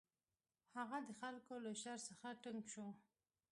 هغه د خلکو له شر څخه تنګ شو.